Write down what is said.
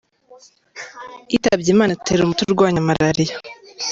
Yitabye Imana atera umuti urwanya malariya